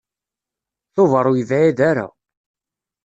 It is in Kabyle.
Tubeṛ ur yebɛid ara.